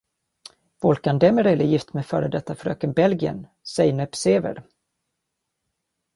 Volkan Demirel är gift med f.d. fröken Belgien Zeynep Sever.